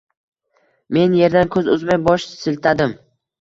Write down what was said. Men erdan ko`z uzmay bosh siltadim